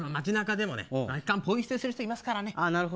街中でも空き缶ぽい捨てする人いますからね。